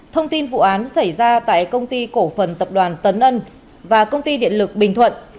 thông tin vụ án xảy ra tại công ty cổ phần tập đoàn tấn ân và công ty điện lực bình thuận